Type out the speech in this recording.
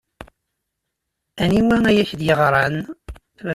Aniwa ay ak-d-yeɣran?